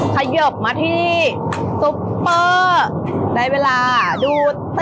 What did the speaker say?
ขยบมาที่ซุปเปอร์ได้เวลาดู